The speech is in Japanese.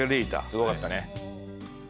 すごかったね。